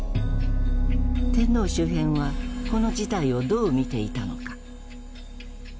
天皇周辺はこの事態をどう見ていたのか。